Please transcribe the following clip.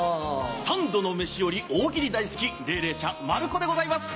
三度の飯より大喜利大好き鈴々舎馬るこでございます。